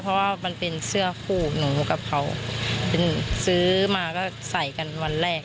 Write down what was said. เพราะว่ามันเป็นเสื้อคู่หนูกับเขาซื้อมาก็ใส่กันวันแรก